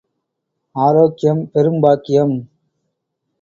ஆரோக்கியம் பெரும் பாக்கியம்.